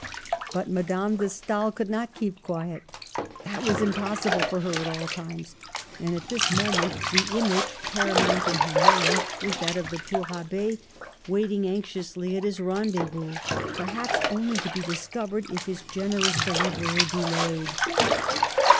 But Madame de Stael could not keep quiet — that was impos sible for her at all times — and at this moment the image paramount in her mind was that of the poor Abb6 waiting anxiously at his rendezvous — perhaps only to be discovered if his generous deliverer delayed.